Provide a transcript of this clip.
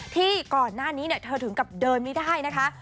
ที่ก่อนหน้านี้เธอถึงกับเดินไม่ได้นะคะ